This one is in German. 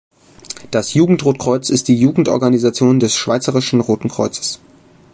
Das Jugendrotkreuz ist die Jugendorganisation des Schweizerischen Roten Kreuzes.